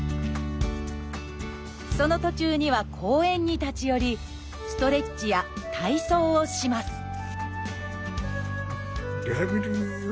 その途中には公園に立ち寄りストレッチや体操をします